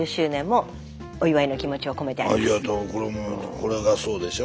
これがそうでしょ？